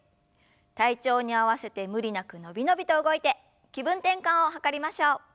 体調に合わせて無理なく伸び伸びと動いて気分転換を図りましょう。